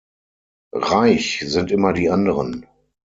Reich sind immer die Anderen.